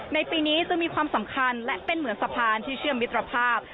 ในปีนี้จึงมีความสำคัญและเป็นเหมือนสะพานที่เชื่อมมิตรภาพ